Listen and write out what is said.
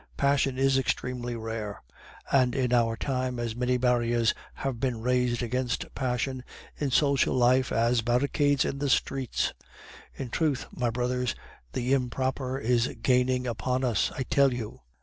Passion is extremely rare; and in our time as many barriers have been raised against passion in social life as barricades in the streets. In truth, my brothers, the 'improper' is gaining upon us, I tell you!